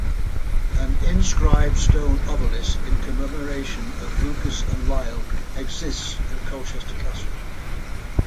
An inscribed stone obelisk in commemoration of Lucas and Lisle exists at Colchester Castle.